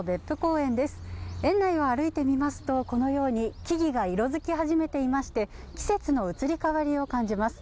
園内を歩いてみますと、このように木々が色づき始めていまして、季節の移り変わりを感じます。